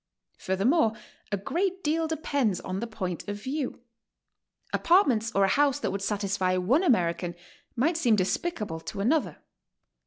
Furthermore, a great deal depends on the point of view. Apartments or a house thatjpwould satisfy one American might seem despicable to another.